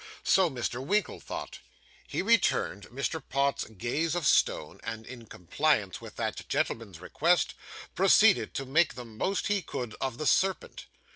So Mr. Winkle thought. He returned Mr. Pott's gaze of stone, and in compliance with that gentleman's request, proceeded to make the most he could of the 'serpent.